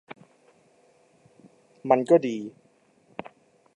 มันก็ดี